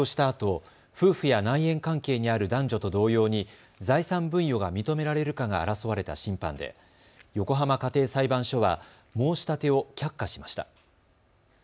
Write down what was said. あと夫婦や内縁関係にある男女と同様に財産分与が認められるかが争われた審判で横浜家庭裁判所は申し立てを却下しました。